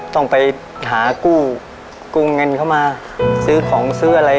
ต้องไปหากู้กู้เงินเข้ามาซื้อของซื้ออะไร